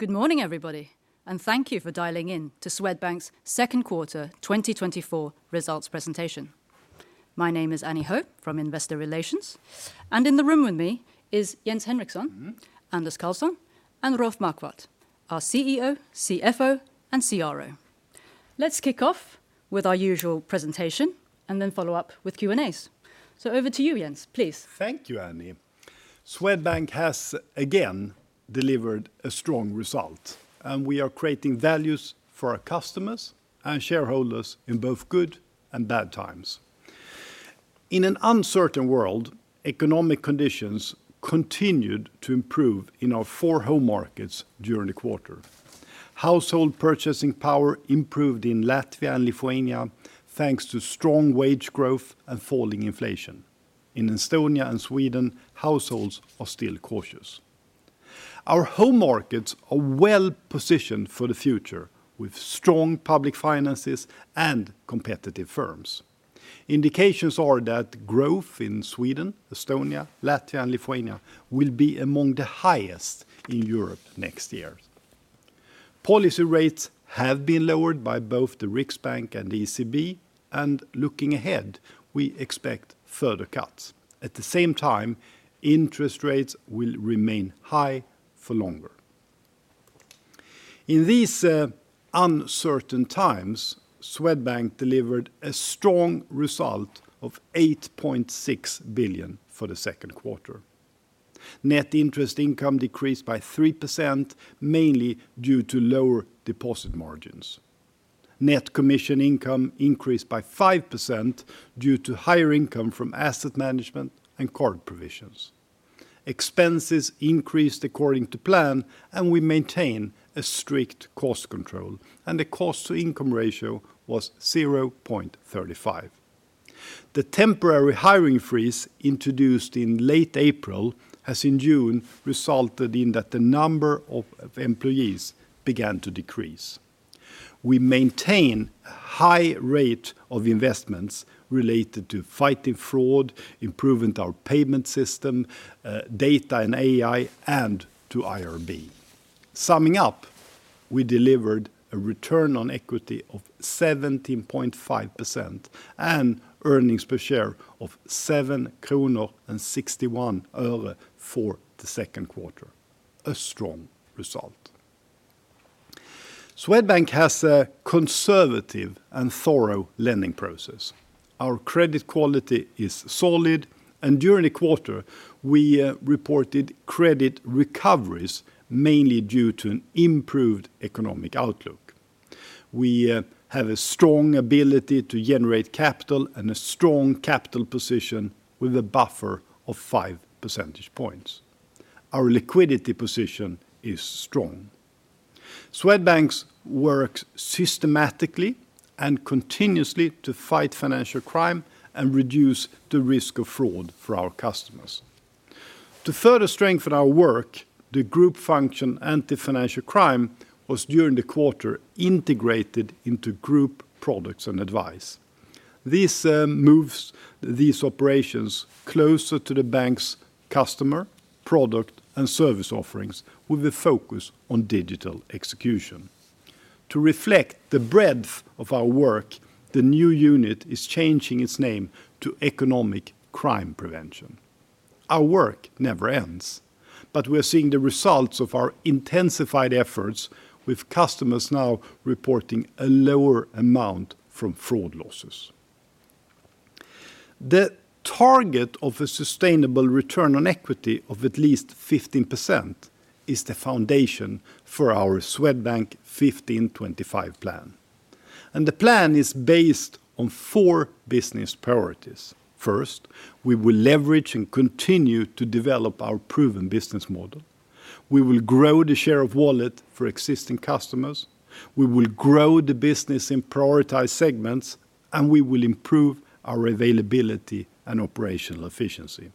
Good morning, everybody, and thank you for dialing in to Swedbank's second quarter 2024 results presentation. My name is Annie Ho from Investor Relations, and in the room with me is Jens Henriksson- Mm-hmm. Anders Karlsson and Rolf Marquardt, our CFO and CRO. Let's kick off with our usual presentation and then follow up with Q&As. So over to you, Jens, please. Thank you, Annie. Swedbank has again delivered a strong result, and we are creating values for our customers and shareholders in both good and bad times. In an uncertain world, economic conditions continued to improve in our four home markets during the quarter. Household purchasing power improved in Latvia and Lithuania, thanks to strong wage growth and falling inflation. In Estonia and Sweden, households are still cautious. Our home markets are well-positioned for the future, with strong public finances and competitive firms. Indications are that growth in Sweden, Estonia, Latvia, and Lithuania will be among the highest in Europe next year. Policy rates have been lowered by both the Riksbank and ECB, and looking ahead, we expect further cuts. At the same time, interest rates will remain high for longer. In these uncertain times, Swedbank delivered a strong result of 8.6 billion for the second quarter. Net interest income decreased by 3%, mainly due to lower deposit margins. Net commission income increased by 5% due to higher income from asset management and card provisions. Expenses increased according to plan, and we maintain a strict cost control, and the cost-to-income ratio was 0.35. The temporary hiring freeze introduced in late April has in June resulted in that the number of employees began to decrease. We maintain a high rate of investments related to fighting fraud, improving our payment system, data and AI, and to IRB. Summing up, we delivered a return on equity of 17.5% and earnings per share of SEK 7.61 for the second quarter, a strong result. Swedbank has a conservative and thorough lending process. Our credit quality is solid, and during the quarter, we reported credit recoveries, mainly due to an improved economic outlook. We have a strong ability to generate capital and a strong capital position with a buffer of 5 percentage points. Our liquidity position is strong. Swedbank works systematically and continuously to fight financial crime and reduce the risk of fraud for our customers. To further strengthen our work, the group function Anti-Financial Crime was, during the quarter, integrated into Group Products and Advice. This moves these operations closer to the bank's customer, product, and service offerings with a focus on digital execution. To reflect the breadth of our work, the new unit is changing its name to Economic Crime Prevention. Our work never ends, but we're seeing the results of our intensified efforts with customers now reporting a lower amount from fraud losses. The target of a sustainable return on equity of at least 15% is the foundation for our Swedbank 15/25 plan, and the plan is based on four business priorities. First, we will leverage and continue to develop our proven business model. We will grow the share of wallet for existing customers, we will grow the business in prioritized segments, and we will improve our availability and operational efficiency.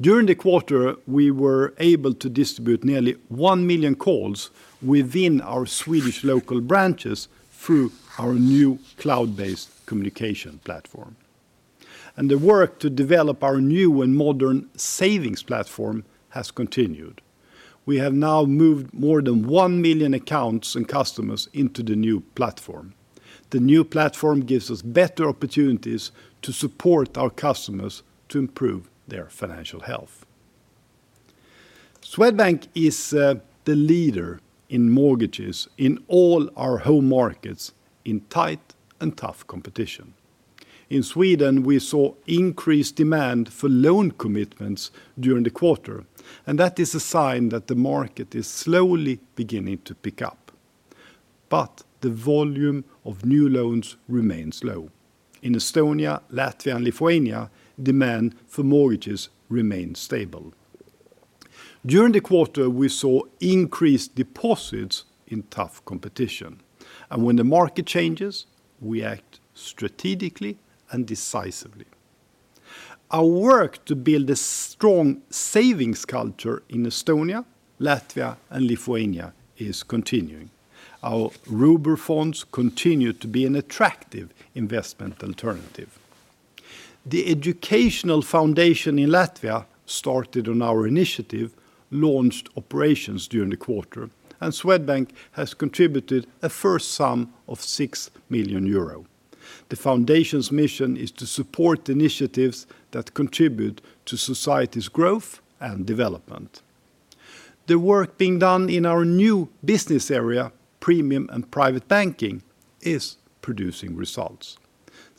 During the quarter, we were able to distribute nearly 1 million calls within our Swedish local branches through our new cloud-based communication platform. And the work to develop our new and modern savings platform has continued. We have now moved more than 1 million accounts and customers into the new platform. The new platform gives us better opportunities to support our customers to improve their financial health. Swedbank is the leader in mortgages in all our home markets in tight and tough competition. In Sweden, we saw increased demand for loan commitments during the quarter, and that is a sign that the market is slowly beginning to pick up, but the volume of new loans remains low. In Estonia, Latvia, and Lithuania, demand for mortgages remains stable. During the quarter, we saw increased deposits in tough competition, and when the market changes, we act strategically and decisively. Our work to build a strong savings culture in Estonia, Latvia, and Lithuania is continuing. Our Robur funds continue to be an attractive investment alternative. The educational foundation in Latvia, started on our initiative, launched operations during the quarter, and Swedbank has contributed a first sum of 6 million euro. The foundation's mission is to support initiatives that contribute to society's growth and development. The work being done in our new business area, Premium & Private Banking, is producing results.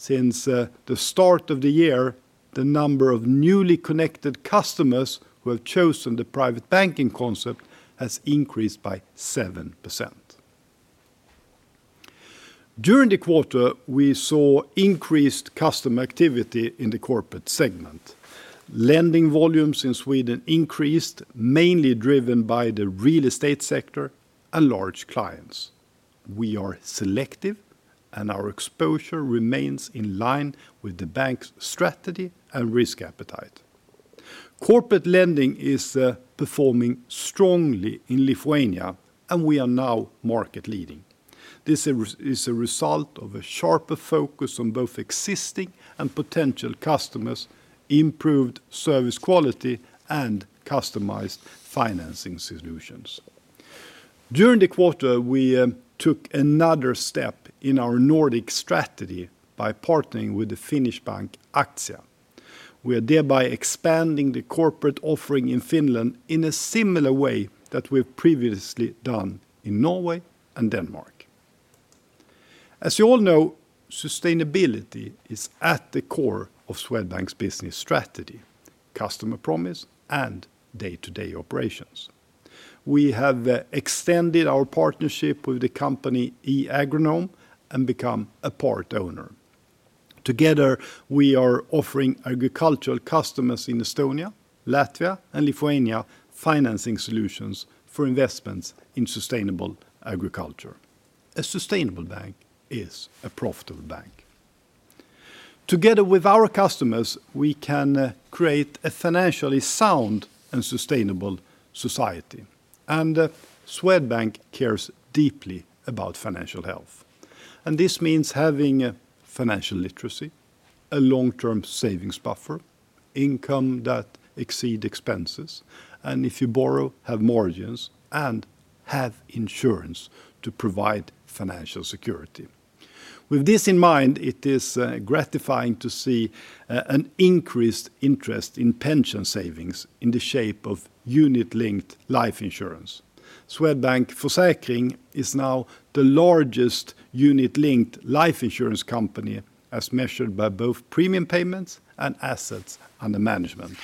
Since the start of the year, the number of newly connected customers who have chosen the private banking concept has increased by 7%. During the quarter, we saw increased customer activity in the corporate segment. Lending volumes in Sweden increased, mainly driven by the real estate sector and large clients. We are selective, and our exposure remains in line with the bank's strategy and risk appetite. Corporate lending is performing strongly in Lithuania, and we are now market leading. This is a result of a sharper focus on both existing and potential customers, improved service quality, and customized financing solutions. During the quarter, we took another step in our Nordic strategy by partnering with the Finnish bank, Aktia. We are thereby expanding the corporate offering in Finland in a similar way that we've previously done in Norway and Denmark. As you all know, sustainability is at the core of Swedbank's business strategy, customer promise, and day-to-day operations. We have extended our partnership with the company eAgronom and become a part owner. Together, we are offering agricultural customers in Estonia, Latvia, and Lithuania financing solutions for investments in sustainable agriculture. A sustainable bank is a profitable bank. Together with our customers, we can create a financially sound and sustainable society, and Swedbank cares deeply about financial health. And this means having financial literacy, a long-term savings buffer, income that exceed expenses, and if you borrow, have margins, and have insurance to provide financial security. With this in mind, it is gratifying to see an increased interest in pension savings in the shape of unit-linked life insurance. Swedbank Försäkring is now the largest unit-linked life insurance company, as measured by both premium payments and assets under management.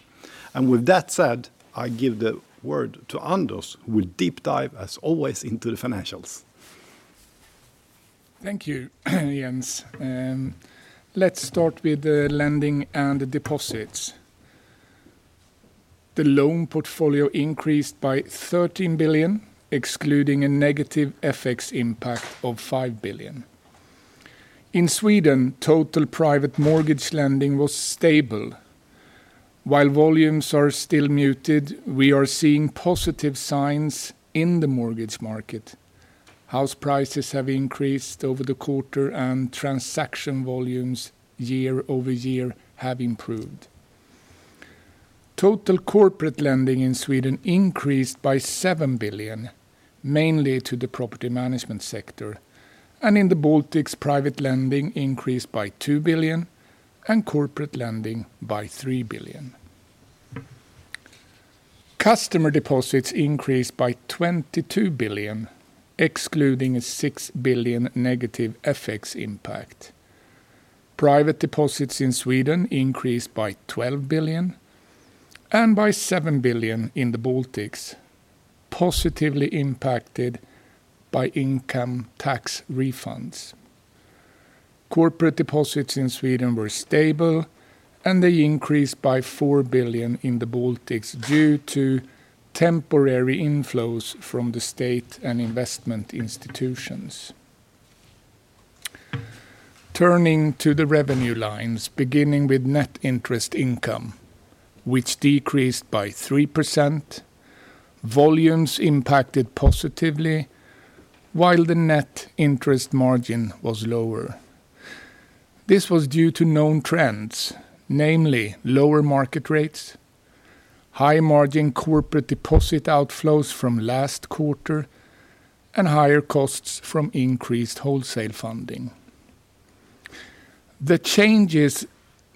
With that said, I give the word to Anders, who will deep dive, as always, into the financials. Thank you, Jens. Let's start with the lending and deposits. The loan portfolio increased by 13 billion, excluding a negative FX impact of 5 billion. In Sweden, total private mortgage lending was stable. While volumes are still muted, we are seeing positive signs in the mortgage market. House prices have increased over the quarter, and transaction volumes year-over-year have improved. Total corporate lending in Sweden increased by 7 billion, mainly to the property management sector, and in the Baltics, private lending increased by 2 billion and corporate lending by 3 billion. Customer deposits increased by 22 billion, excluding a 6 billion negative FX impact. Private deposits in Sweden increased by 12 billion and by 7 billion in the Baltics, positively impacted by income tax refunds. Corporate deposits in Sweden were stable, and they increased by 4 billion in the Baltics due to temporary inflows from the state and investment institutions. Turning to the revenue lines, beginning with net interest income, which decreased by 3%, volumes impacted positively, while the net interest margin was lower. This was due to known trends, namely lower market rates, high-margin corporate deposit outflows from last quarter, and higher costs from increased wholesale funding. The changes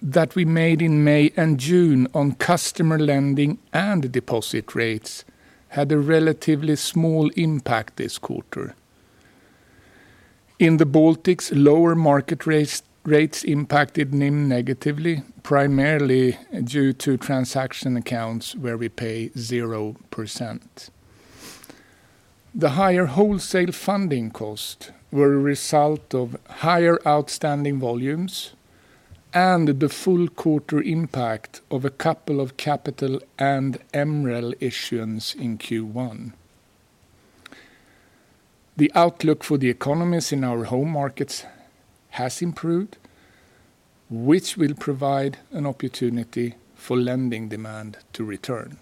that we made in May and June on customer lending and deposit rates had a relatively small impact this quarter. In the Baltics, lower market rates, rates impacted NIM negatively, primarily due to transaction accounts where we pay 0%. The higher wholesale funding costs were a result of higher outstanding volumes and the full quarter impact of a couple of capital and MREL issuances in Q1. The outlook for the economies in our home markets has improved, which will provide an opportunity for lending demand to return...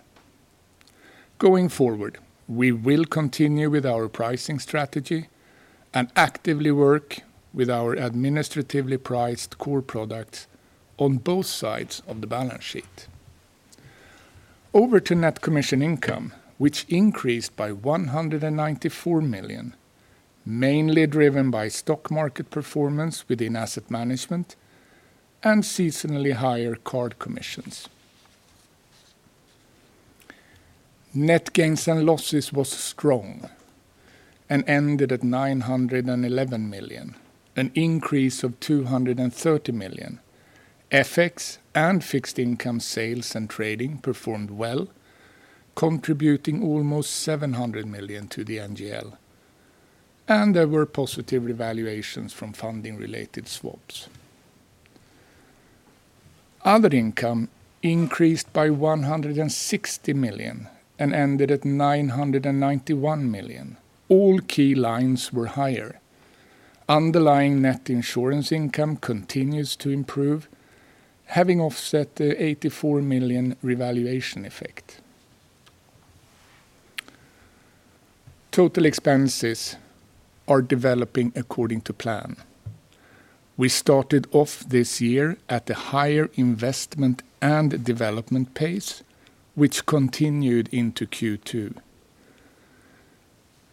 Going forward, we will continue with our pricing strategy and actively work with our administratively priced core products on both sides of the balance sheet. Over to net commission income, which increased by 194 million, mainly driven by stock market performance within asset management and seasonally higher card commissions. Net gains and losses was strong and ended at 911 million, an increase of 230 million. FX and fixed income sales and trading performed well, contributing almost 700 million to the NGL, and there were positive revaluations from funding-related swaps. Other income increased by 160 million and ended at 991 million. All key lines were higher. Underlying net insurance income continues to improve, having offset the 84 million revaluation effect. Total expenses are developing according to plan. We started off this year at a higher investment and development pace, which continued into Q2.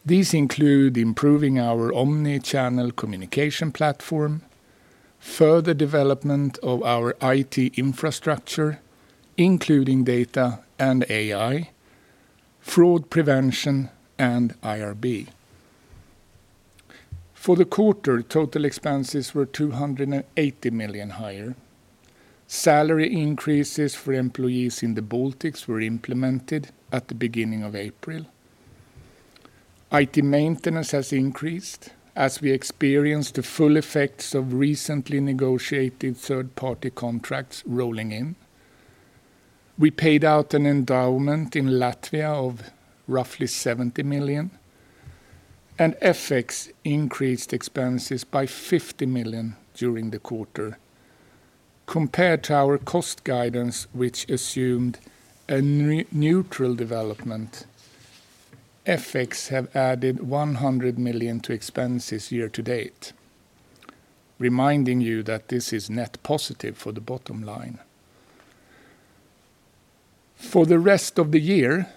These include improving our omni-channel communication platform, further development of our IT infrastructure, including data and AI, fraud prevention, and IRB. For the quarter, total expenses were 280 million higher. Salary increases for employees in the Baltics were implemented at the beginning of April. IT maintenance has increased as we experience the full effects of recently negotiated third-party contracts rolling in. We paid out an endowment in Latvia of roughly 70 million, and FX increased expenses by 50 million during the quarter. Compared to our cost guidance, which assumed a neutral development, FX have added 100 million to expenses year to date, reminding you that this is net positive for the bottom line. For the rest of the year,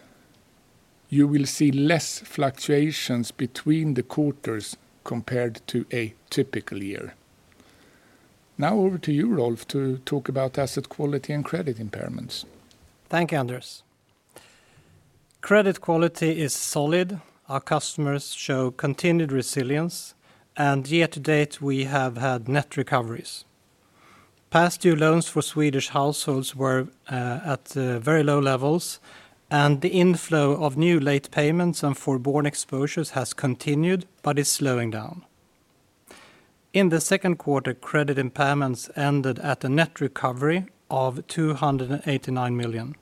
you will see less fluctuations between the quarters compared to a typical year. Now, over to you, Rolf, to talk about asset quality and credit impairments. Thank you, Anders. Credit quality is solid. Our customers show continued resilience, and year to date, we have had net recoveries. Past due loans for Swedish households were at very low levels, and the inflow of new late payments and forborne exposures has continued but is slowing down. In the second quarter, credit impairments ended at a net recovery of 289 million.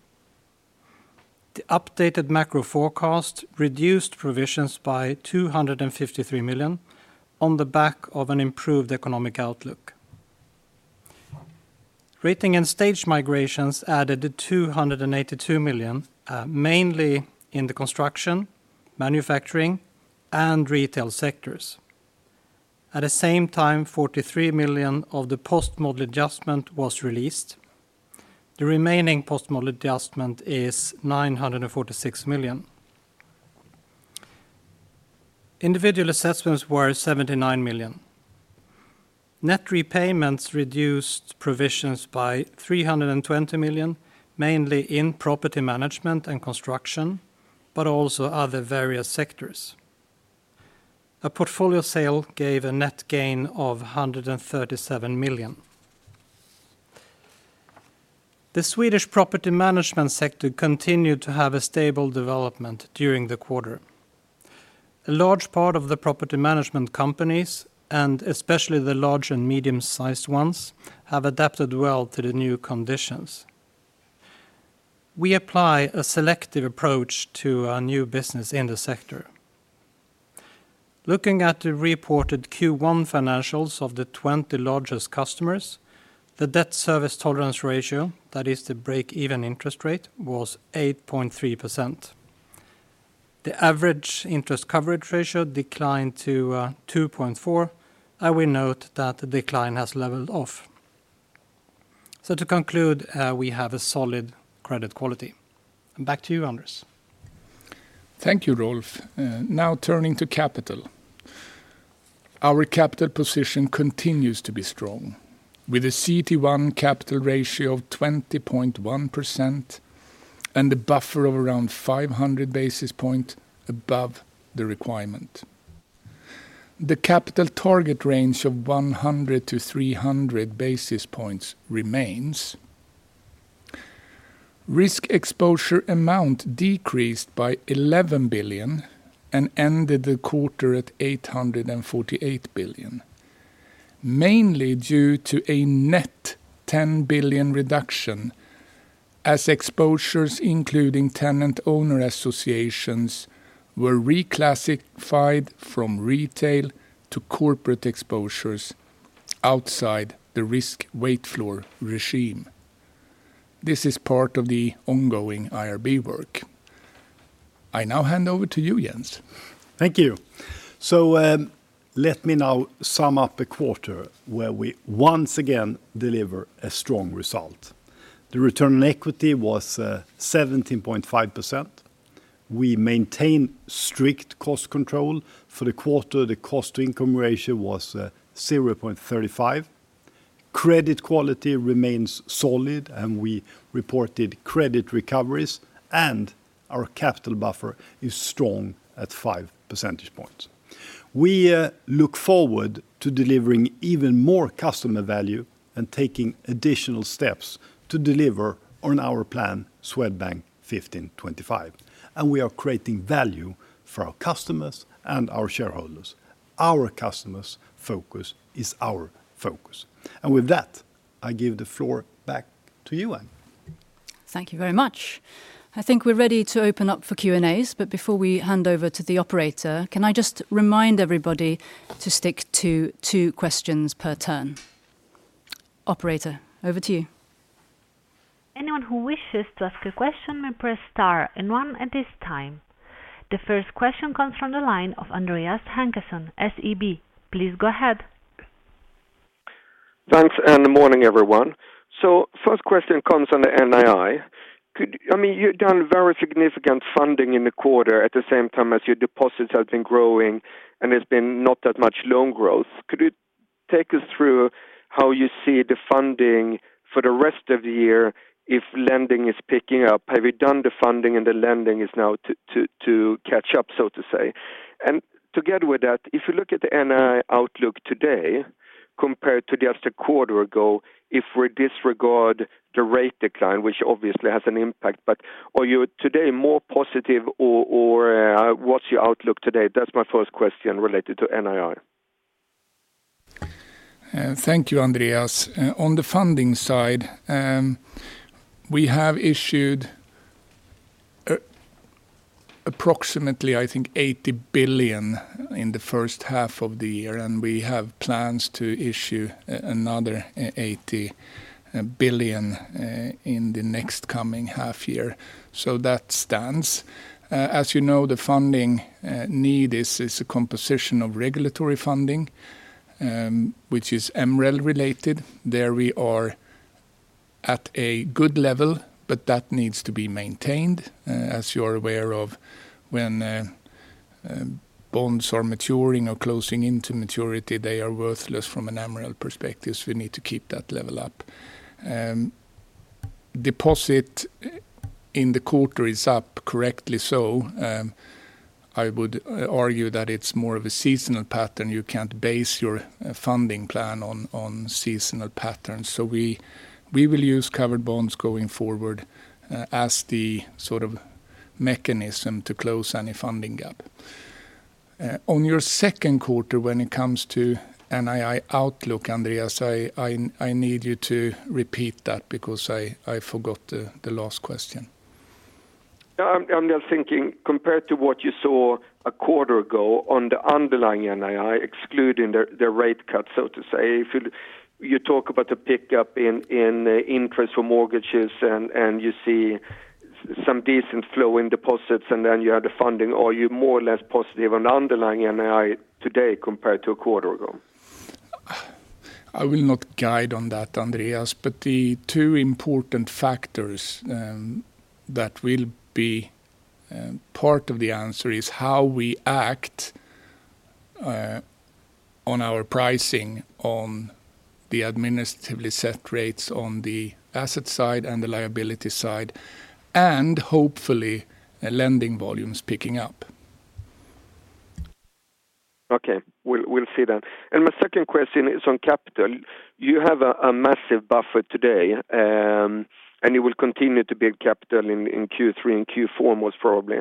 The updated macro forecast reduced provisions by 253 million on the back of an improved economic outlook. Rating and stage migrations added to 282 million, mainly in the construction, manufacturing, and retail sectors. At the same time, 43 million of the post-model adjustment was released. The remaining post-model adjustment is 946 million. Individual assessments were 79 million. Net repayments reduced provisions by 320 million, mainly in property management and construction, but also other various sectors. A portfolio sale gave a net gain of 137 million. The Swedish property management sector continued to have a stable development during the quarter. A large part of the property management companies, and especially the large and medium-sized ones, have adapted well to the new conditions. We apply a selective approach to our new business in the sector. Looking at the reported Q1 financials of the 20 largest customers, the debt service tolerance ratio, that is the break-even interest rate, was 8.3%. The average interest coverage ratio declined to two point four, and we note that the decline has leveled off. So to conclude, we have a solid credit quality. And back to you, Anders. Thank you, Rolf. Now turning to capital. Our capital position continues to be strong, with a CET1 capital ratio of 20.1% and a buffer of around 500 basis points above the requirement. The capital target range of 100-300 basis points remains. Risk exposure amount decreased by 11 billion and ended the quarter at 848 billion, mainly due to a net 10 billion reduction, as exposures, including tenant-owner associations, were reclassified from retail to corporate exposures outside the risk weight floor regime. This is part of the ongoing IRB work. I now hand over to you, Jens. Thank you. So, let me now sum up the quarter where we once again deliver a strong result. The return on equity was 17.5%. We maintained strict cost control. For the quarter, the cost income ratio was 0.35. Credit quality remains solid, and we reported credit recoveries, and our capital buffer is strong at five percentage points. We look forward to delivering even more customer value and taking additional steps to deliver on our plan, Swedbank 15/25, and we are creating value for our customers and our shareholders. Our customers' focus is our focus. And with that, I give the floor back to you, Annie. Thank you very much. I think we're ready to open up for Q&As, but before we hand over to the operator, can I just remind everybody to stick to two questions per turn? Operator, over to you. Anyone who wishes to ask a question may press star and one at this time. The first question comes from the line of Andreas Håkansson, SEB. Please go ahead. Thanks, and morning, everyone. So first question comes on the NII. I mean, you've done very significant funding in the quarter at the same time as your deposits have been growing, and there's been not that much loan growth. Could you take us through how you see the funding for the rest of the year if lending is picking up? Have you done the funding and the lending is now to catch up, so to say? And together with that, if you look at the NII outlook today compared to just a quarter ago, if we disregard the rate decline, which obviously has an impact, but are you today more positive or what's your outlook today? That's my first question related to NII. Thank you, Andreas. On the funding side, we have issued approximately, I think, 80 billion in the first half of the year, and we have plans to issue another 80 billion in the next coming half year. So that stands. As you know, the funding need is a composition of regulatory funding, which is MREL related. There we are at a good level, but that needs to be maintained. As you're aware of, when bonds are maturing or closing into maturity, they are worthless from an MREL perspective, so we need to keep that level up. Deposit in the quarter is up, correctly so. I would argue that it's more of a seasonal pattern. You can't base your funding plan on seasonal patterns. So we will use covered bonds going forward, as the sort of mechanism to close any funding gap. On your second quarter, when it comes to NII outlook, Andreas, I need you to repeat that because I forgot the last question. Yeah, I'm just thinking, compared to what you saw a quarter ago on the underlying NII, excluding the rate cut, so to say, if you talk about the pickup in interest for mortgages and you see some decent flow in deposits, and then you have the funding, are you more or less positive on underlying NII today compared to a quarter ago? I will not guide on that, Andreas, but the two important factors that will be part of the answer is how we act on our pricing, on the administratively set rates, on the asset side and the liability side, and hopefully lending volumes picking up. Okay, we'll, we'll see that. And my second question is on capital. You have a massive buffer today, and you will continue to build capital in Q3 and Q4, most probably.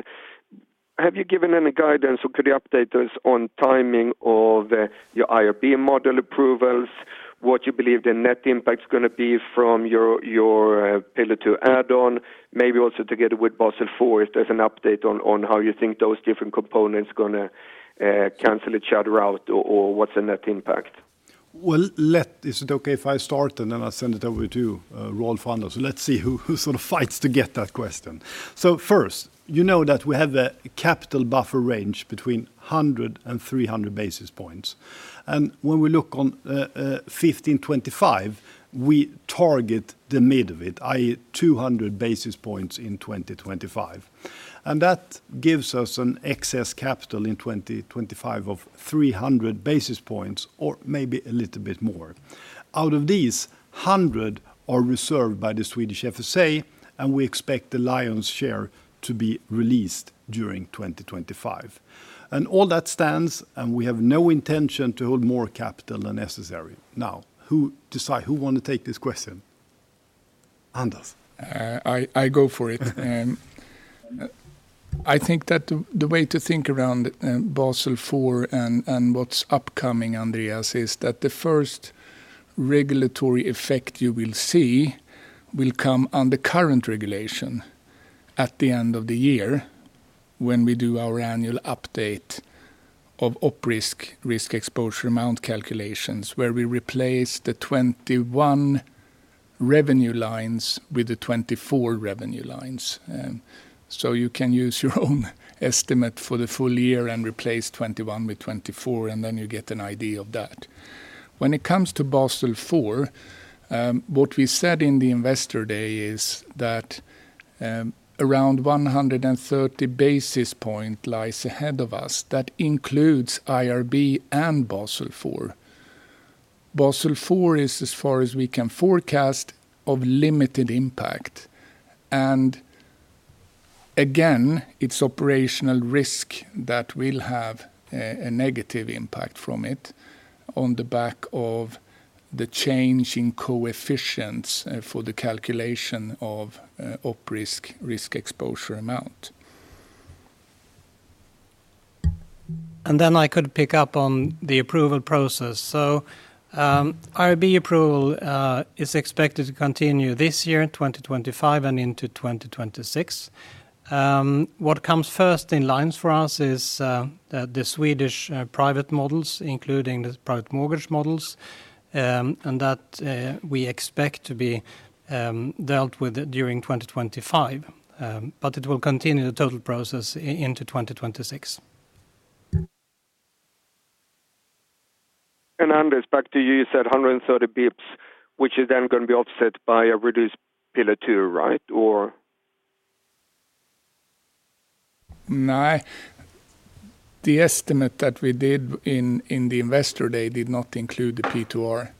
Have you given any guidance, or could you update us on timing of your IRB model approvals, what you believe the net impact is gonna be from your Pillar II add-on, maybe also together with Basel IV, if there's an update on how you think those different components gonna cancel each other out, or what's the net impact? Well, is it okay if I start, and then I'll send it over to Rolf and Anders? Let's see who sort of fights to get that question. So first, you know that we have a capital buffer range between 100 and 300 basis points, and when we look on 15/25, we target the mid of it, i.e., 200 basis points in 2025. And that gives us an excess capital in 2025 of 300 basis points or maybe a little bit more. Out of these, 100 are reserved by the Swedish FSA, and we expect the lion's share to be released during 2025. And all that stands, and we have no intention to hold more capital than necessary. Now, who want to take this question? Anders. I go for it. I think that the way to think around Basel IV and what's upcoming, Andreas, is that the first regulatory effect you will see will come on the current regulation at the end of the year, when we do our annual update of Op risk, risk exposure amount calculations, where we replace the 21 revenue lines with the 24 revenue lines. So you can use your own estimate for the full year and replace 21 with 24, and then you get an idea of that. When it comes to Basel IV, what we said in the Investor Day is that around 130 basis point lies ahead of us. That includes IRB and Basel IV. Basel IV is as far as we can forecast, of limited impact. Again, it's operational risk that will have a negative impact from it on the back of the change in coefficients for the calculation of Op risk, risk exposure amount. And then I could pick up on the approval process. IRB approval is expected to continue this year, in 2025 and into 2026. What comes first in lines for us is the Swedish private models, including the private mortgage models, and that we expect to be dealt with during 2025. But it will continue the total process into 2026. Anders, back to you. You said 130 basis points, which is then gonna be offset by a reduced Pillar II, right or? No. The estimate that we did in the Investor Day did not include the Pillar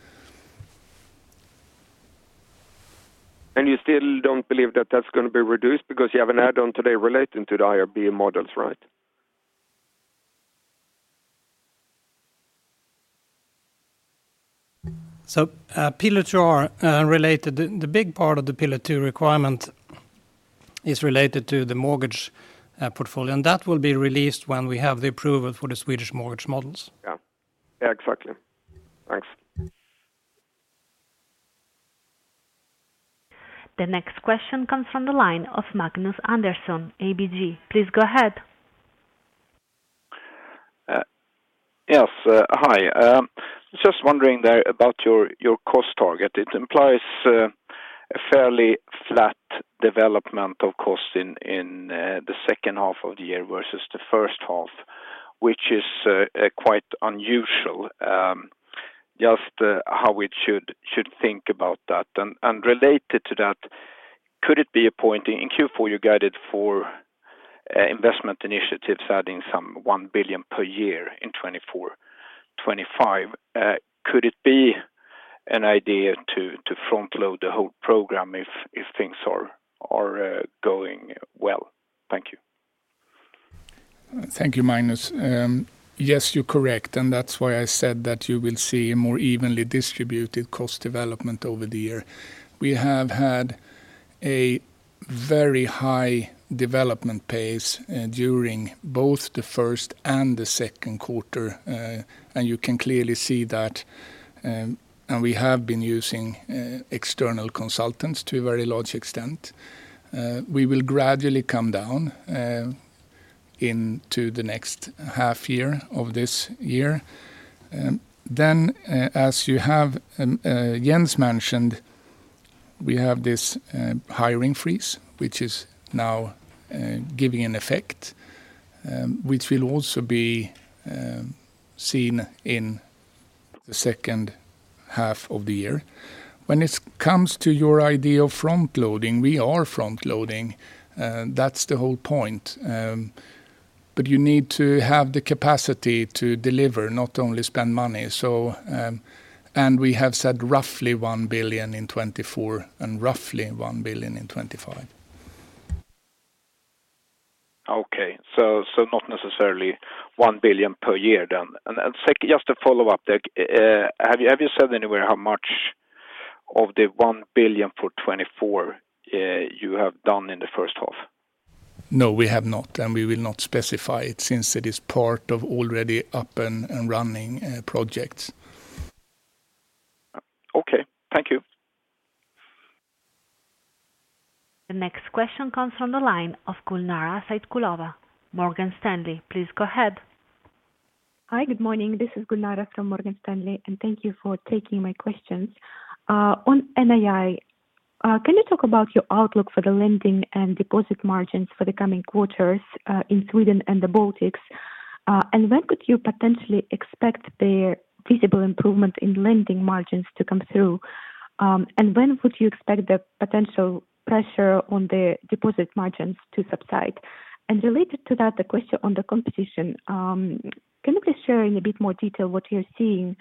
II. You still don't believe that that's gonna be reduced because you have an add-on today relating to the IRB models, right? Pillar II-related. The big part of the Pillar II requirement is related to the mortgage portfolio, and that will be released when we have the approval for the Swedish mortgage models. Yeah. Yeah, exactly. Thanks. The next question comes from the line of Magnus Andersson, ABG. Please go ahead. Yes, hi. Just wondering there about your cost target. It implies a fairly flat development of cost in the second half of the year versus the first half, which is quite unusual. Just how we should think about that. And related to that, could it be a point in Q4 you guided for investment initiatives, adding some 1 billion per year in 2024, 2025? Could it be an idea to front load the whole program if things are going well? Thank you. Thank you, Magnus. Yes, you're correct, and that's why I said that you will see a more evenly distributed cost development over the year. We have had a very high development pace during both the first and the second quarter, and you can clearly see that, and we have been using external consultants to a very large extent. We will gradually come down into the next half year of this year. Then, as Jens mentioned, we have this hiring freeze, which is now giving an effect, which will also be seen in the second half of the year. When it comes to your idea of front loading, we are front loading, that's the whole point. But you need to have the capacity to deliver, not only spend money. we have said roughly 1 billion in 2024 and roughly 1 billion in 2025. Okay. So, so not necessarily 1 billion per year then. And, just a follow-up there, have you, have you said anywhere how much of the 1 billion for 2024 you have done in the first half? No, we have not, and we will not specify it since it is part of already up and running projects. Okay, thank you. The next question comes from the line of Gulnara Saitkulova, Morgan Stanley. Please go ahead. Hi, good morning. This is Gulnara from Morgan Stanley, and thank you for taking my questions. On NII, can you talk about your outlook for the lending and deposit margins for the coming quarters in Sweden and the Baltics? And when could you potentially expect the visible improvement in lending margins to come through? And when would you expect the potential pressure on the deposit margins to subside? And related to that, the question on the competition. Can you please share in a bit more detail what you're seeing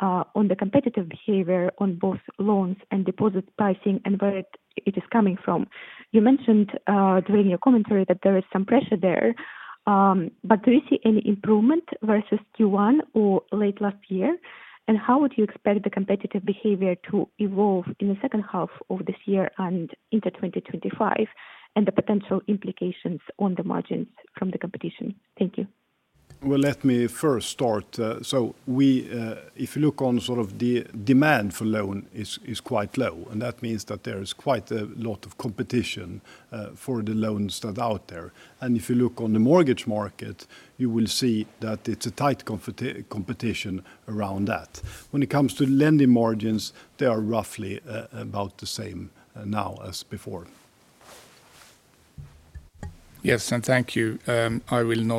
on the competitive behavior on both loans and deposit pricing and where it, it is coming from? You mentioned during your commentary that there is some pressure there, but do you see any improvement versus Q1 or late last year? How would you expect the competitive behavior to evolve in the second half of this year and into 2025, and the potential implications on the margins from the competition?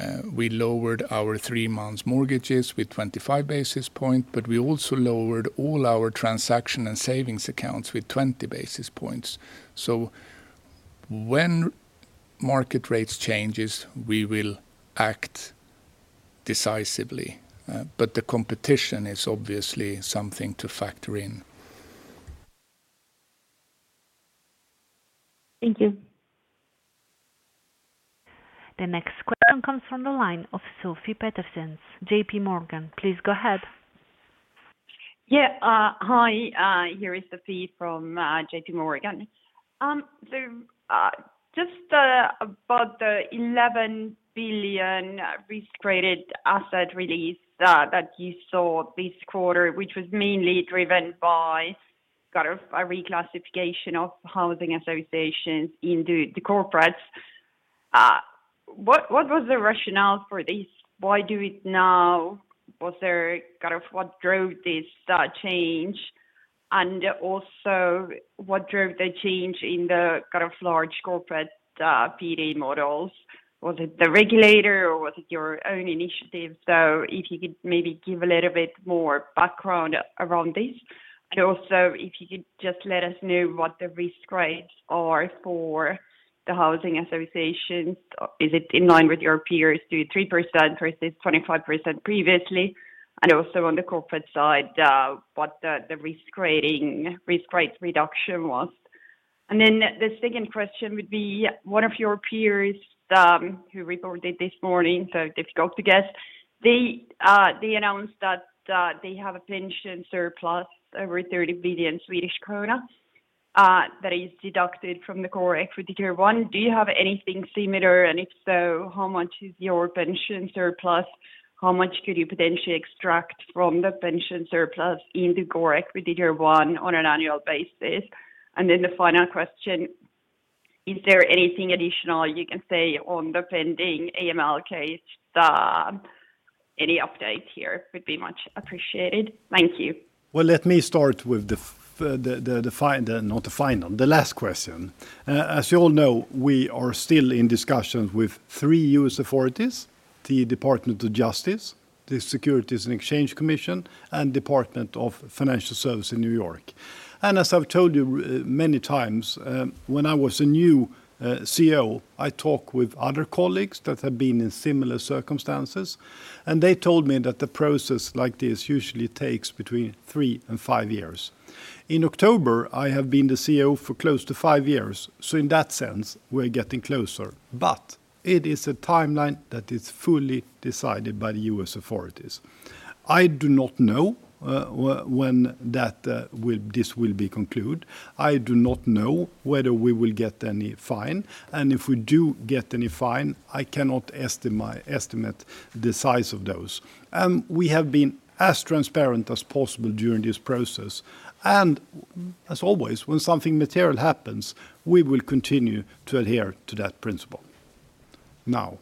administratively set rates on the assets and liability side, that will be very much up to competition. But just to remind you what we did in May in Sweden, when we saw the first rate cut from the Riksbank, we lowered our 3-month mortgages with 25 basis points, but we also lowered all our transaction and savings accounts with 20 basis points. So when market rates changes, we will act decisively, but the competition is obviously something to factor in. Thank you. The next question comes from the line of Sofie Peterzens, J.P. Morgan. Please go ahead. Yeah, hi, here is Sofie from J.P. Morgan. So, just about the 11 billion risk-weighted asset release that you saw this quarter, which was mainly driven by kind of a reclassification of housing associations into the corporates. What was the rationale for this? Why do it now? Was there kind of what drove this change? And also, what drove the change in the kind of large corporate PD models? Was it the regulator or was it your own initiative? So if you could maybe give a little bit more background around this. And also, if you could just let us know what the risk rates are for the housing associations. Is it in line with your peers to 3% versus 25% previously? And also on the corporate side, what the, the risk rating, risk rate reduction was. And then the second question would be, one of your peers, who reported this morning, so difficult to guess, they, they announced that, they have a pension surplus over 30 billion Swedish krona, that is deducted from the core equity tier one. Do you have anything similar? And if so, how much is your pension surplus? How much could you potentially extract from the pension surplus in the core equity tier one on an annual basis? And then the final question, is there anything additional you can say on the pending AML case? Any update here would be much appreciated. Thank you. Well, let me start with the final, not the final, the last question. As you all know, we are still in discussions with three U.S. authorities, the Department of Justice, the Securities and Exchange Commission, and New York State Department of Financial Services. As I've told you many times, when I was a new CEO, I talked with other colleagues that have been in similar circumstances, and they told me that the process like this usually takes between three and five years. In October, I have been the CEO for close to five years, so in that sense, we're getting closer. But it is a timeline that is fully decided by the U.S. authorities. I do not know when that will be concluded. I do not know whether we will get any fine, and if we do get any fine, I cannot estimate the size of those. We have been as transparent as possible during this process, and as always, when something material happens, we will continue to adhere to that principle. Now,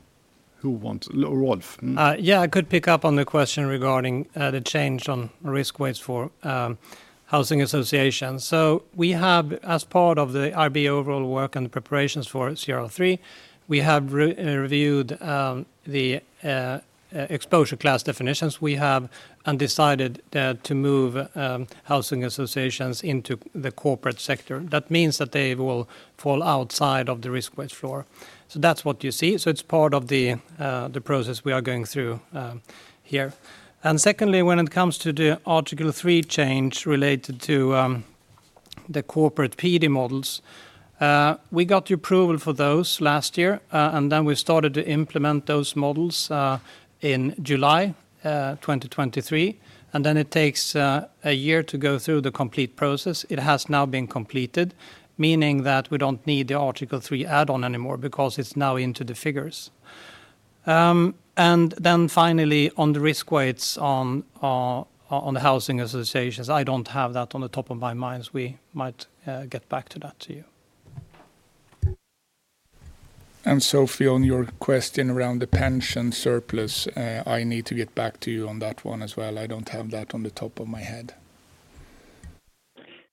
who wants...? Rolf. Yeah, I could pick up on the question regarding the change on risk weights for housing associations. So we have, as part of the IRB overall work and the preparations for CRR3, we have reviewed the exposure class definitions we have, and decided to move housing associations into the corporate sector. That means that they will fall outside of the risk weights floor. So that's what you see. So it's part of the process we are going through here. And secondly, when it comes to the Article 3 change related to the corporate PD models, we got the approval for those last year, and then we started to implement those models in July 2023. And then it takes a year to go through the complete process. It has now been completed, meaning that we don't need the Article 3 add-on anymore because it's now into the figures. And then finally, on the risk weights on the housing associations, I don't have that on the top of my mind. We might get back to that to you. Sofie, on your question around the pension surplus, I need to get back to you on that one as well. I don't have that on the top of my head....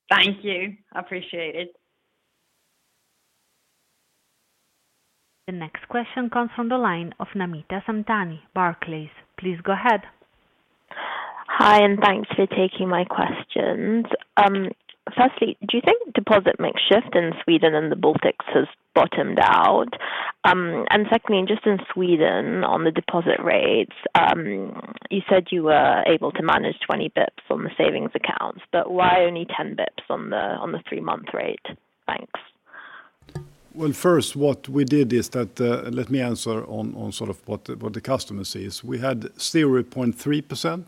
Thank you. Appreciate it. The next question comes from the line of Namita Samtani, Barclays. Please go ahead. Hi, and thanks for taking my questions. Firstly, do you think deposit mix shift in Sweden and the Baltics has bottomed out? And secondly, just in Sweden, on the deposit rates, you said you were able to manage 20 pips on the savings accounts, but why only 10 pips on the three-month rate? Thanks. Well, first, what we did is that, let me answer on, on sort of what the, what the customer sees. We had 0.3%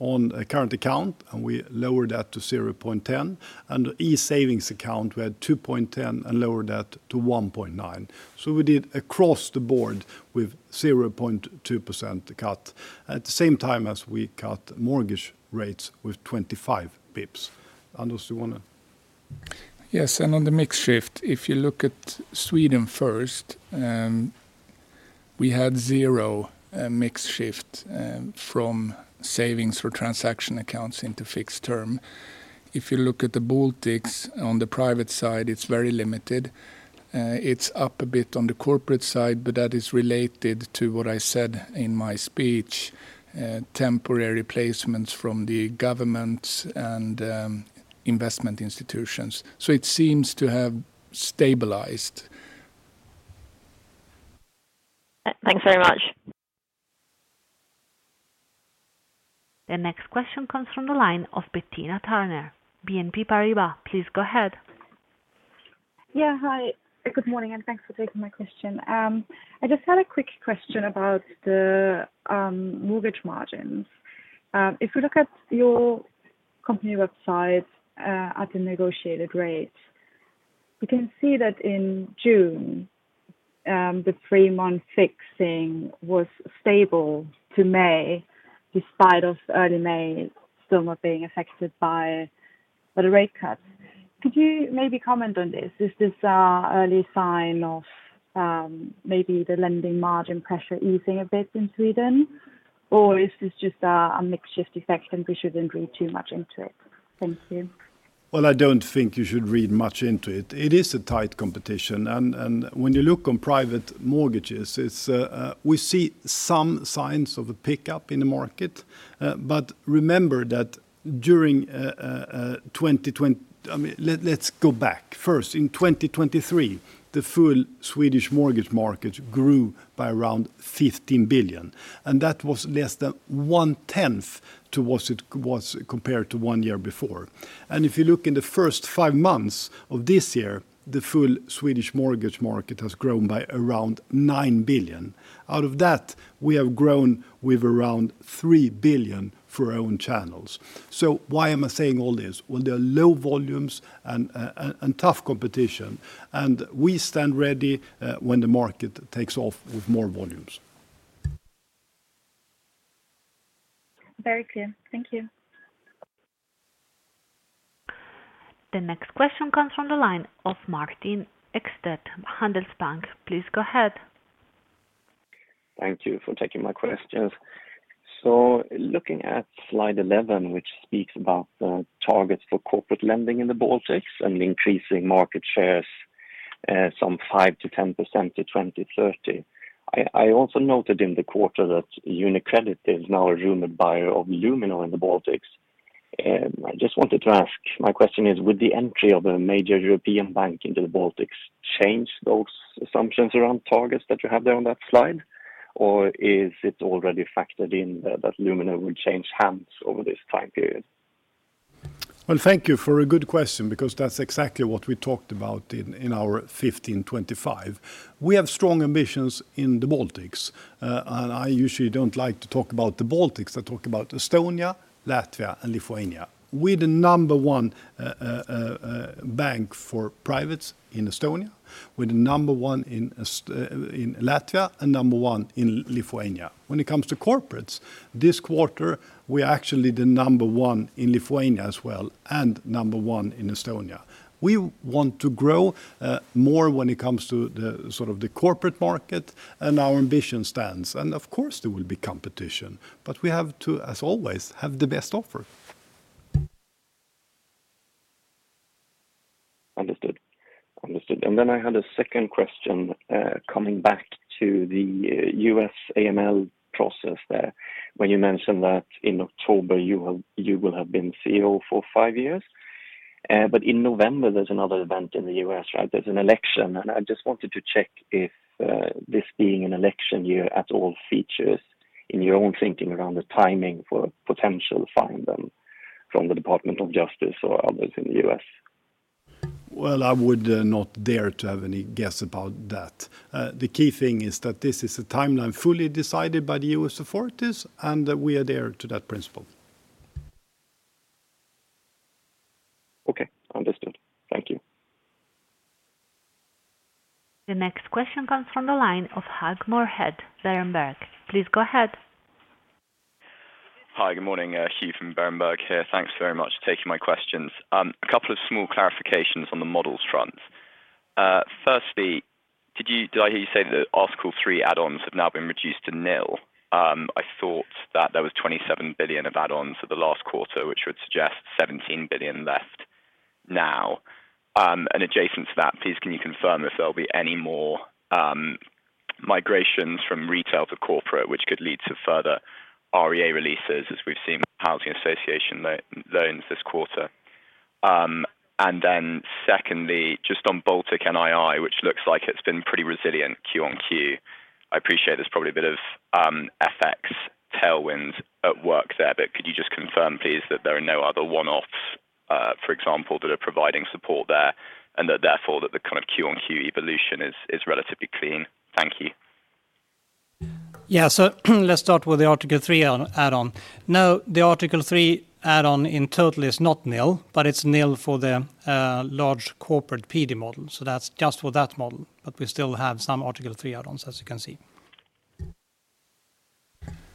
on a current account, and we lowered that to 0.10%, and e-savings account, we had 2.10% and lowered that to 1.9%. So we did across the board with 0.2% cut, at the same time as we cut mortgage rates with 25 pips. Anders, do you wanna? Yes, and on the mix shift, if you look at Sweden first, we had zero mix shift from savings or transaction accounts into fixed term. If you look at the Baltics, on the private side, it's very limited. It's up a bit on the corporate side, but that is related to what I said in my speech, temporary placements from the governments and investment institutions. So it seems to have stabilized. Thanks very much. The next question comes from the line of Bettina Thurner, BNP Paribas. Please go ahead. Yeah, hi. Good morning, and thanks for taking my question. I just had a quick question about the mortgage margins. If you look at your company website at the negotiated rates, you can see that in June the three-month fixing was stable to May, despite of early May still not being affected by the rate cuts. Could you maybe comment on this? Is this a early sign of maybe the lending margin pressure easing a bit in Sweden, or is this just a mix shift effect, and we shouldn't read too much into it? Thank you. Well, I don't think you should read much into it. It is a tight competition, and when you look on private mortgages, it's we see some signs of a pickup in the market. But remember. I mean, let's go back. First, in 2023, the full Swedish mortgage market grew by around 15 billion, and that was less than 1/10 of what it was compared to one year before. And if you look in the first 5 months of this year, the full Swedish mortgage market has grown by around 9 billion. Out of that, we have grown with around 3 billion for our own channels. So why am I saying all this? Well, there are low volumes and tough competition, and we stand ready when the market takes off with more volumes. Very clear. Thank you. The next question comes from the line of Martin Ekstedt, Handelsbanken. Please go ahead. Thank you for taking my questions. So looking at slide 11, which speaks about the targets for corporate lending in the Baltics and increasing market shares, some 5%-10% to 2030. I, I also noted in the quarter that UniCredit is now a rumored buyer of Luminor in the Baltics. I just wanted to ask, my question is: Would the entry of a major European bank into the Baltics change those assumptions around targets that you have there on that slide, or is it already factored in that, that Luminor would change hands over this time period? Well, thank you for a good question, because that's exactly what we talked about in our 15/25. We have strong ambitions in the Baltics, and I usually don't like to talk about the Baltics. I talk about Estonia, Latvia, and Lithuania. We're the number one bank for privates in Estonia. We're the number one in Estonia, in Latvia and number one in Lithuania. When it comes to corporates, this quarter, we're actually the number one in Lithuania as well, and number one in Estonia. We want to grow more when it comes to the, sort of the corporate market and our ambition stands, and of course there will be competition, but we have to, as always, have the best offer. Understood. Understood. And then I had a second question, coming back to the US AML process there. When you mentioned that in October, you will, you will have been CEO for five years, but in November, there's another event in the US, right? There's an election, and I just wanted to check if, this being an election year at all, features in your own thinking around the timing for potential fine then from the Department of Justice or others in the US. Well, I would not dare to have any guess about that. The key thing is that this is a timeline fully decided by the U.S. authorities, and we adhere to that principle. Okay, understood. Thank you. The next question comes from the line of Hugh Moorhead, Berenberg. Please go ahead. Hi, good morning, Hugh from Berenberg here. Thanks very much for taking my questions. A couple of small clarifications on the models front.... Firstly, did I hear you say that Article 3 add-ons have now been reduced to nil? I thought that there was 27 billion of add-ons for the last quarter, which would suggest 17 billion left now. And adjacent to that, please, can you confirm if there'll be any more migrations from retail to corporate, which could lead to further REA releases, as we've seen with housing association loans this quarter? And then secondly, just on Baltic NII, which looks like it's been pretty resilient Q on Q. I appreciate there's probably a bit of FX tailwind at work there, but could you just confirm, please, that there are no other one-offs, for example, that are providing support there, and that therefore, the kind of Q on Q evolution is relatively clean? Thank you. Yeah. So let's start with the Article 3 add-on. No, the Article 3 add-on in total is not nil, but it's nil for the large corporate PD model, so that's just for that model. But we still have some Article 3 add-ons, as you can see.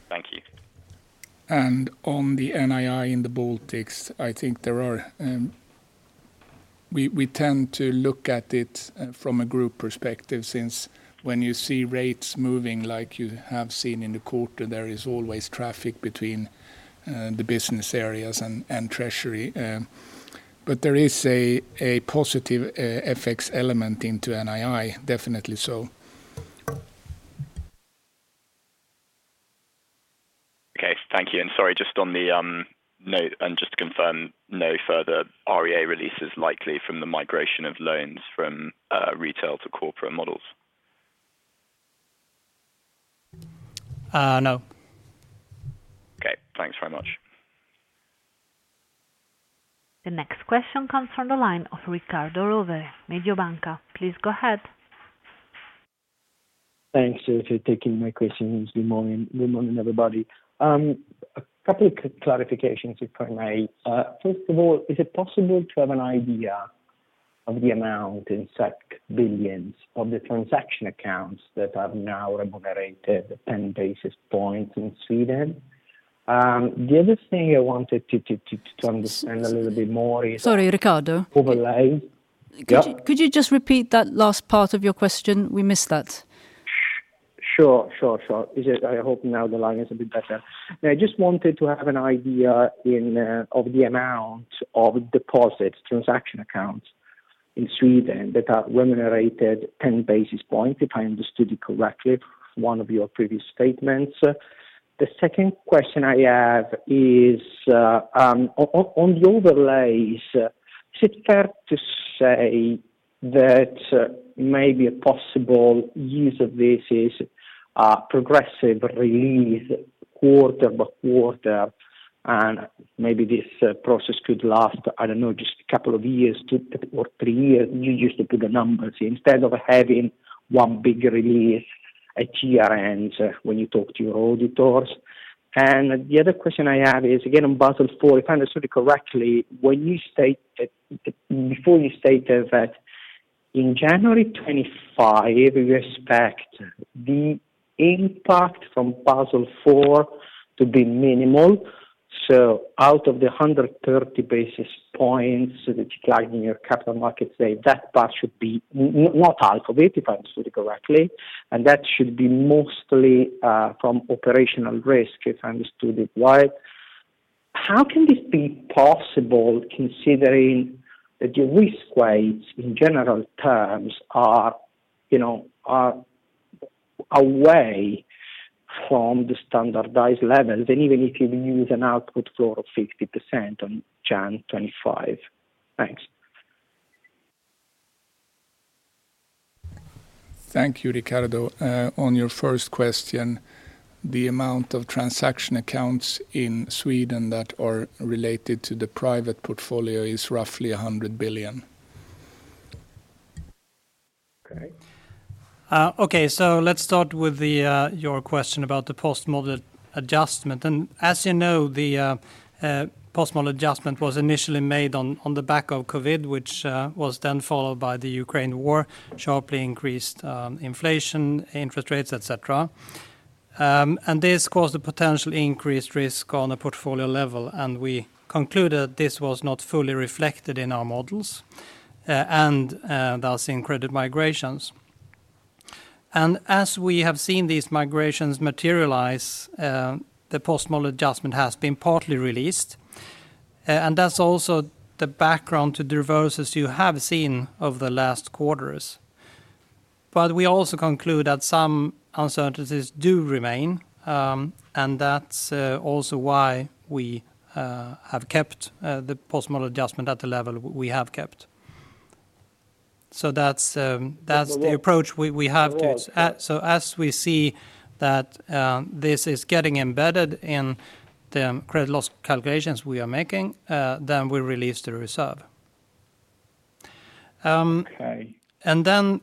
Thank you. On the NII in the Baltics, I think there are. We tend to look at it from a group perspective, since when you see rates moving like you have seen in the quarter, there is always traffic between the business areas and treasury. But there is a positive FX element into NII, definitely so. Okay, thank you. And sorry, just on the note, and just to confirm, no further REA release is likely from the migration of loans from retail to corporate models? Uh, no. Okay, thanks very much. The next question comes from the line of Riccardo Rovere, Mediobanca. Please go ahead. Thanks for taking my questions, good morning, everybody. A couple of clarifications, if I may. First of all, is it possible to have an idea of the amount in billions of the transaction accounts that have now remunerated 10 basis points in Sweden? The other thing I wanted to understand a little bit more is- Sorry, Riccardo. Overlay. Yeah. Could you, could you just repeat that last part of your question? We missed that. Sure, sure, sure. Is it... I hope now the line is a bit better. I just wanted to have an idea of the amount of deposits, transaction accounts in Sweden that are remunerated 10 basis points, if I understood you correctly, one of your previous statements. The second question I have is, on the overlays, is it fair to say that maybe a possible use of this is a progressive release quarter by quarter, and maybe this process could last, I don't know, just a couple of years, 2 or 3 years? You used to do the numbers instead of having one big release at year-end when you talk to your auditors. The other question I have is, again, on Basel IV, if I understood you correctly, when you stated, before you stated that in January 2025, we expect the impact from Basel IV to be minimal. So out of the 130 basis points, that decline in your capital ratio, so that part should be not out of it, if I understood correctly, and that should be mostly from operational risk, if I understood it right. How can this be possible, considering that the risk weights in general terms are, you know, are away from the standardized levels, and even if you use an output floor of 60% on Jan 2025? Thanks. Thank you, Riccardo. On your first question, the amount of transaction accounts in Sweden that are related to the private portfolio is roughly 100 billion. Okay. Okay, so let's start with your question about the post-model adjustment. And as you know, the post-model adjustment was initially made on the back of COVID, which was then followed by the Ukraine war, sharply increased inflation, interest rates, et cetera. And this caused a potential increased risk on a portfolio level, and we concluded this was not fully reflected in our models, thus increased migrations. And as we have seen these migrations materialize, the post-model adjustment has been partly released, and that's also the background to the reverses you have seen over the last quarters. But we also conclude that some uncertainties do remain, and that's also why we have kept the post-model adjustment at the level we have kept. So that's the approach we have to- Right. As we see that, this is getting embedded in the credit loss calculations we are making, then we release the reserve. Okay. And then,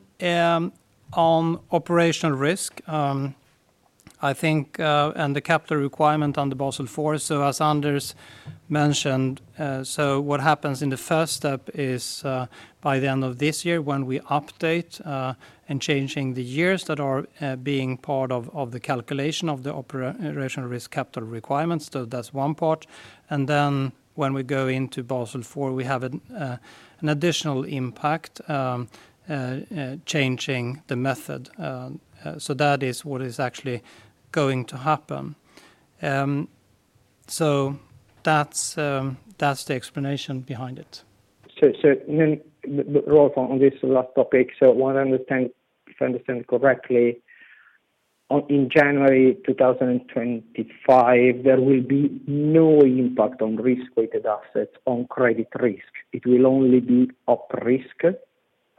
on operational risk, I think, and the capital requirement on the Basel IV, so as Anders mentioned, so what happens in the first step is, by the end of this year, when we update, and changing the years that are being part of the calculation of the operational risk capital requirements, so that's one part. And then when we go into Basel IV, we have an additional impact, changing the method. So that is what is actually going to happen. So that's the explanation behind it. Then Rolf, on this last topic, if I understand correctly, on—in January 2025, there will be no impact on risk-weighted assets on credit risk? It will only be op risk.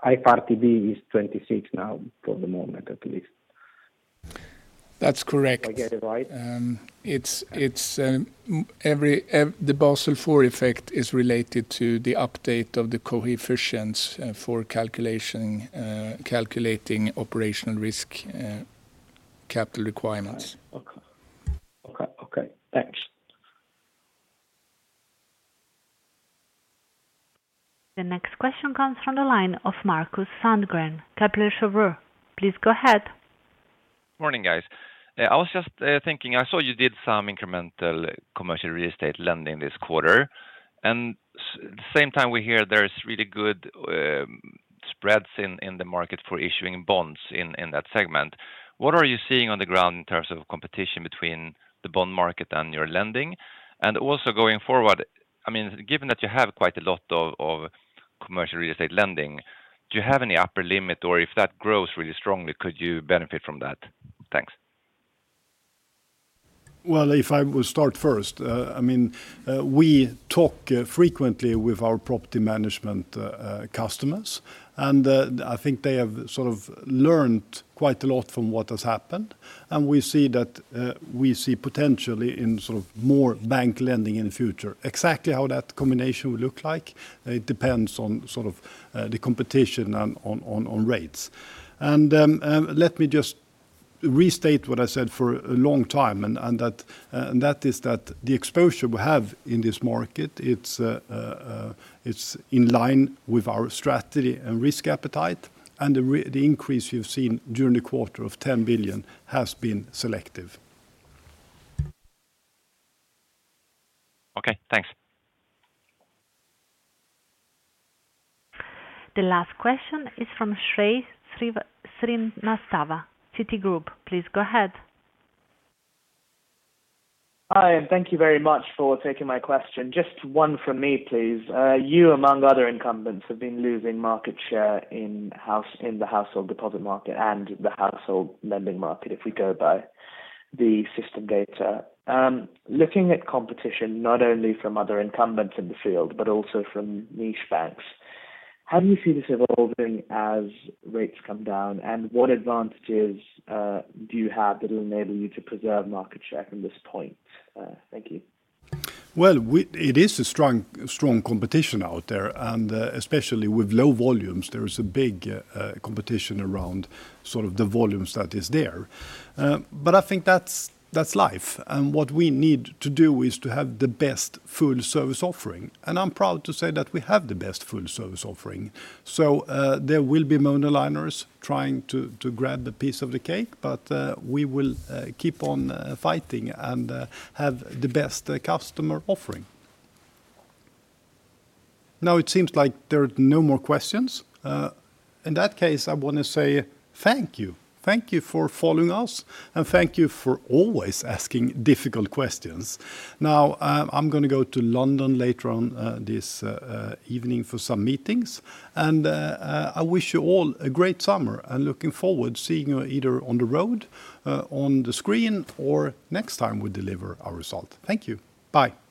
IRPB is 26 now, for the moment, at least. That's correct. If I get it right. The Basel IV effect is related to the update of the coefficients for calculating operational risk capital requirements. Okay. Okay, okay. Thanks. The next question comes from the line of Markus Sandgren, Kepler Cheuvreux. Please go ahead. Morning, guys. I was just thinking, I saw you did some incremental commercial real estate lending this quarter, and at the same time, we hear there is really good spreads in the market for issuing bonds in that segment. What are you seeing on the ground in terms of competition between the bond market and your lending? And also going forward, I mean, given that you have quite a lot of commercial real estate lending, do you have any upper limit? Or if that grows really strongly, could you benefit from that? Thanks. Well, if I will start first, I mean, we talk frequently with our property management customers, and I think they have sort of learned quite a lot from what has happened. And we see that, we see potentially in sort of more bank lending in the future. Exactly how that combination will look like, it depends on sort of the competition on rates. And let me just restate what I said for a long time, and that is that the exposure we have in this market, it's in line with our strategy and risk appetite, and the increase you've seen during the quarter of 10 billion has been selective. Okay, thanks. The last question is from Shrey Srivastava, Citigroup. Please go ahead. Hi, and thank you very much for taking my question. Just one from me, please. You, among other incumbents, have been losing market share in the household deposit market and the household lending market, if we go by the system data. Looking at competition, not only from other incumbents in the field, but also from niche banks, how do you see this evolving as rates come down? And what advantages do you have that will enable you to preserve market share from this point? Thank you. Well, it is a strong, strong competition out there, and especially with low volumes, there is a big competition around sort of the volumes that is there. But I think that's life, and what we need to do is to have the best full service offering, and I'm proud to say that we have the best full service offering. So, there will be monoliners trying to grab the piece of the cake, but we will keep on fighting and have the best customer offering. Now, it seems like there are no more questions. In that case, I wanna say thank you. Thank you for following us, and thank you for always asking difficult questions. Now, I'm gonna go to London later on this evening for some meetings, and I wish you all a great summer, and looking forward seeing you either on the road, on the screen, or next time we deliver our result. Thank you. Bye.